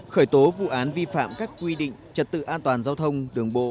khởi tố vụ án vi phạm các quy định trật tự an toàn giao thông đường bộ